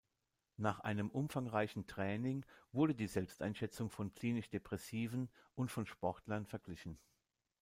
Nach einem umfangreichen Training wurde die Selbsteinschätzung von klinisch Depressiven und von Sportlern verglichen.